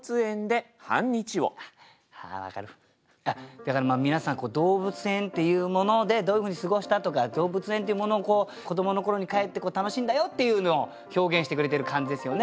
だから皆さん動物園っていうものでどういうふうに過ごしたとか動物園っていうものを子どもの頃に返って楽しんだよっていうのを表現してくれてる感じですよね。